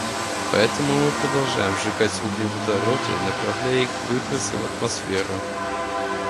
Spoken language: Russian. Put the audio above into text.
Поэтому мы продолжаем сжигать углеводороды, направляя их выбросы в атмосферу.